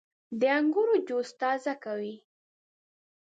• د انګورو جوس تازه کوي.